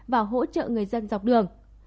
và hỗ trợ người dân dọc đường